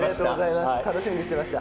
楽しみにしていました。